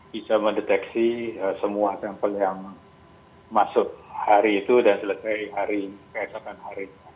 kita mendeteksi semua sampel yang masuk hari itu dan selesai keesokan hari itu